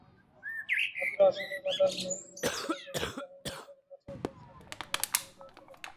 ভাদ্র-আশ্বিনের বাতাসবিহীন গুমোট গরমের নিদ্রাহীন রাতের কথা বৈশাখ-জ্যৈষ্ঠ মাসে মনেও পড়ে না।